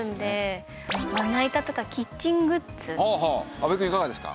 阿部くんいかがですか？